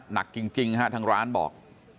หนักจริงจริงฮะทั้งร้านบอก